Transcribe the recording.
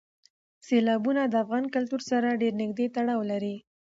سیلابونه د افغان کلتور سره ډېر نږدې تړاو لري.